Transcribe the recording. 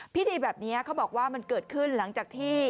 พิธีแบบนี้เขาบอกว่ามันเกิดขึ้นหลังจากที่